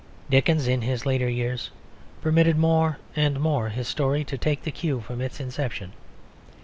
Dickens, in his later years, permitted more and more his story to take the cue from its inception.